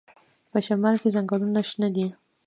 په شمال کې ځنګلونه شنه دي.